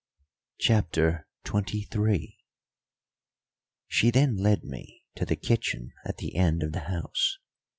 CHAPTER XXIII She then led me to the kitchen at the end of the house.